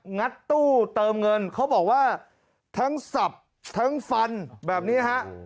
งัดตู้เติมเงินเขาบอกว่าทั้งสับทั้งฟันแบบนี้ฮะ